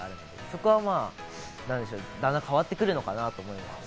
そこは、段々変わってくるのかなと思います。